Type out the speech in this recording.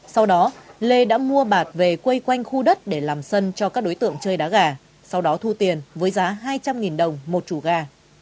sau đó lê đã mua bạc về quê quanh khu đất để làm sân cho các đối tượng chơi đá gà sau đó thu tiền với giá hai trăm linh đồng một chủ gà